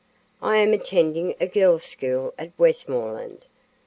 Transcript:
I am attending a girl's school at Westmoreland.